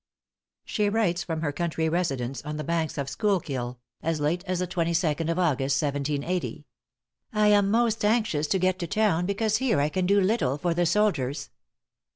She writes from her country residence on the banks of Schuylkill, as late as the 22nd. of August, 1780: "I am most anxious to get to town, because here I can do little for the soldiers."